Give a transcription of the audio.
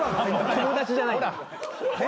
・友達じゃない。